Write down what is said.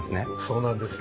そうなんです。